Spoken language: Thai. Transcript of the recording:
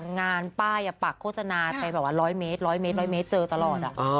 งานป้ายปากโฆษณาไปแบบว่า๑๐๐เมตร๑๐๐เมตร๑๐๐เมตรเจอตลอด